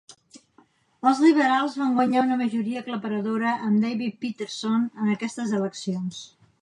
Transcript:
Els liberals van guanyar una majoria aclaparadora amb David Peterson en aquestes eleccions.